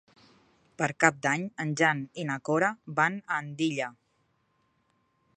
Per Cap d'Any en Jan i na Cora van a Andilla.